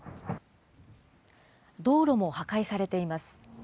道路も破壊されています。